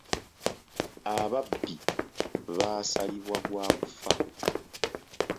Ababbi baasalibwa gwa kufa.